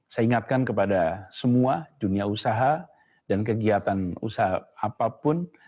saya ingatkan kepada semua dunia usaha dan kegiatan usaha apapun